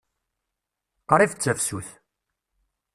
Qrib d tafsut.